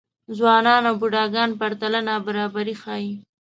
ځوانان او بوډاګان پرتله نابرابري ښيي.